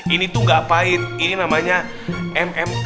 ini tuh gak pahit ini namanya mmk